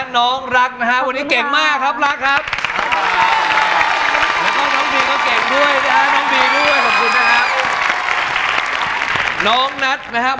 น้องนัทมากระดวงวันนี้ด้วย